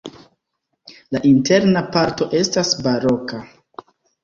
La interna parto estas baroka.